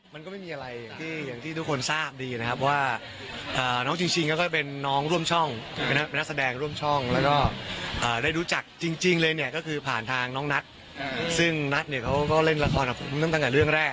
มันก็ไม่มีอะไรอย่างที่ทุกคนทราบดีนะครับว่าน้องชิงชิงก็ก็เป็นน้องร่วมช่อง